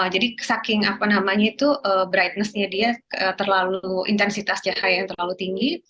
jadi saking brightness nya dia intensitas cahaya yang terlalu tinggi